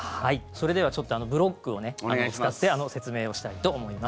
それではブロックを使って説明をしたいと思います。